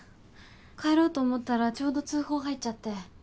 帰ろうと思ったらちょうど通報入っちゃって。